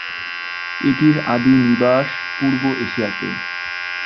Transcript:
এটির আদি নিবাস পূর্ব এশিয়াতে।